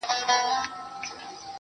زه د ساقي تر احترامه پوري پاته نه سوم.